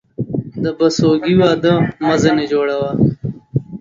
د بسوگى واده مه ځيني جوړوه.